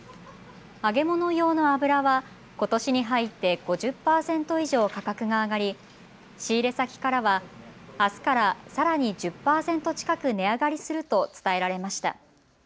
揚げ物用の油はことしに入って５０％以上価格が上がり仕入れ先からはあすからさらに１０％近く値上がりすると伝えられました。